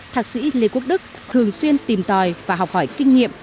thạc sĩ lê quốc đức thường xuyên tìm tòi và học hỏi kinh nghiệm